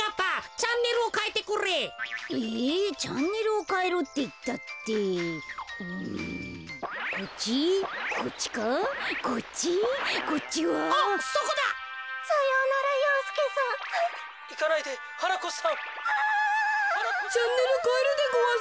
チャンネルかえるでごわす。